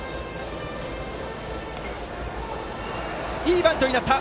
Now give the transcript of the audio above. いいバントになった！